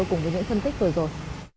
cùng với những thân tích vừa rồi